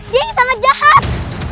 dia yang sangat jahat